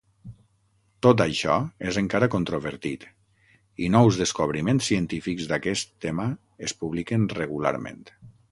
Tot això és encara controvertit, i nous descobriments científics d'aquest tema es publiquen regularment.